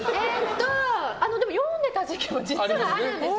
読んでた時期も実はあるんです。